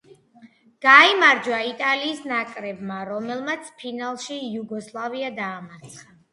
გაიმარჯვა იტალიის ნაკრებმა, რომელმაც ფინალში იუგოსლავია დაამარცხა.